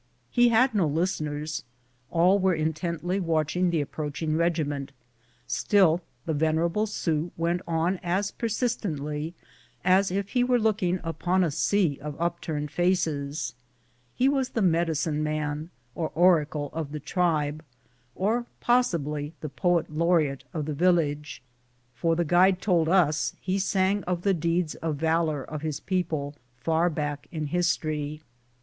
He had no listen ers — all were intently watching the approaching regi ment ; still the venerable Sioux went on as persistently as if he were looking " upon a sea of upturned faces." He was the "medicine man," or oracle, of the tribe, or possibly the "poet laureate" of the village, for the guide told us he sang of the deeds of valor of his peo ple far back in history.